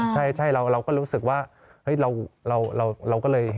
ใช่เราก็รู้สึกว่าเฮ้ยเราก็เลย